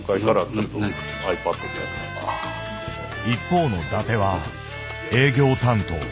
一方の伊達は営業担当。